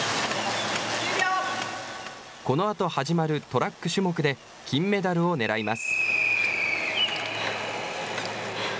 このあと始まるトラック種目で、金メダルを狙います。